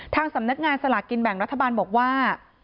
สำนักงานสลากกินแบ่งรัฐบาลบอกว่า